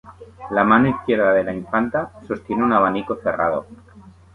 La mano izquierda de la infanta sostiene un abanico cerrado.